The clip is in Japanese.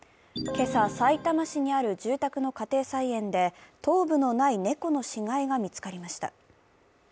今朝、さいたま市にある住宅の家庭菜園で頭部のない猫の死骸が見つかりました。